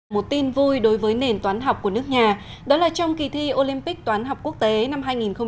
một tin vui đối với nền toán học của nước nhà đó là trong kỳ thi olympic toán học quốc tế năm hai nghìn hai mươi